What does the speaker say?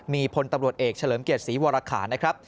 มีพลตำรวจเอกเฉลิมเกียรติศรีวรคานะครับ